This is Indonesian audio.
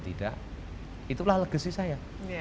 tidak itulah legacy saya